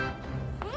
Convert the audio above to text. うん？